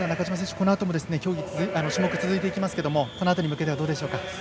この辺りも種目が続いていきますがこのあとに向けてはどうでしょうか。